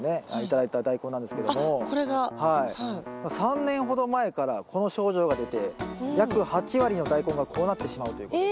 ３年ほど前からこの症状が出て約８割のダイコンがこうなってしまうということで。